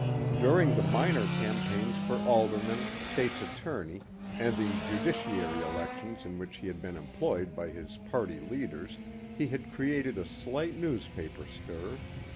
During the minor campaigns for aldermen, state's attorney and the judiciary elections in which he had been employed by his party leaders, he had created a slight newspaper stir.